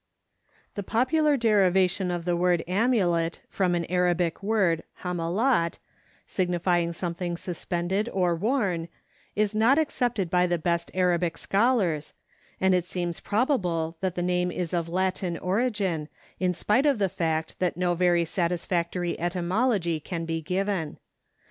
The popular derivation of the word "amulet" from an Arabic word hamalât, signifying something suspended or worn, is not accepted by the best Arabic scholars, and it seems probable that the name is of Latin origin, in spite of the fact that no very satisfactory etymology can be given.